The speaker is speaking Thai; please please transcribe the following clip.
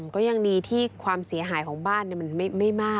ก็ยังดีที่ความเสียหายของบ้านมันไม่มาก